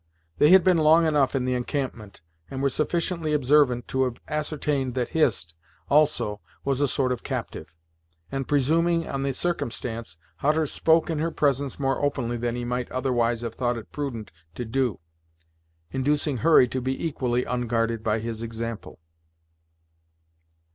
They had been long enough in the encampment, and were sufficiently observant to have ascertained that Hist, also, was a sort of captive, and, presuming on the circumstance, Hutter spoke in her presence more openly than he might otherwise have thought it prudent to do; inducing Hurry to be equally unguarded by his example.